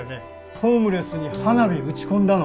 ホームレスに花火打ち込んだの？